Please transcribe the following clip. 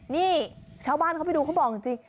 นี่ชาวบ้านเขาไปดูเขาบอกจริง